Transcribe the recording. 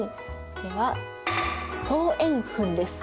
では双円墳です。